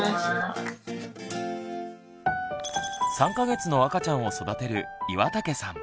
３か月の赤ちゃんを育てる岩竹さん。